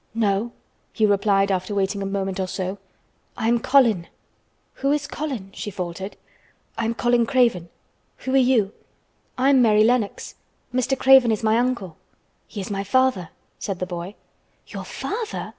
"No," he replied after waiting a moment or so. "I am Colin." "Who is Colin?" she faltered. "I am Colin Craven. Who are you?" "I am Mary Lennox. Mr. Craven is my uncle." "He is my father," said the boy. "Your father!"